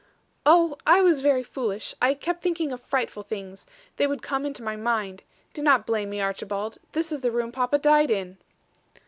"Oh! I was very foolish. I kept thinking of frightful things. They would come into my mind. Do not blame me, Archibald. This is the room papa died in."